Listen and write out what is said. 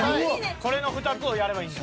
これの２つをやればいいんだ。